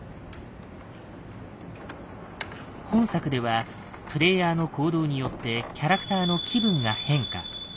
本作ではプレイヤーの行動によってキャラクターの気分が変化。